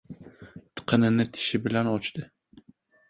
Tiqinini tishi bilan ochdi.